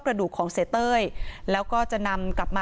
เพลงที่สุดท้ายเสียเต้ยมาเสียชีวิตค่ะ